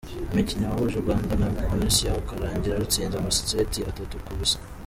Mu mukino wahuje u Rwanda na Bosnia ukarangira rutsinzwe amaseti atatu ku busa.